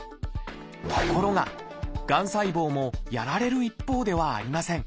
ところががん細胞もやられる一方ではありません。